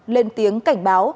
lên tiếng cảnh báo